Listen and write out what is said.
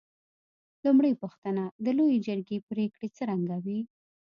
لومړۍ پوښتنه: د لویې جرګې پرېکړې څرنګه وې؟